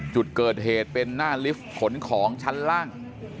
จุดเกิดเหตุเป็นหน้าลิฟต์ขนของชั้นล่าง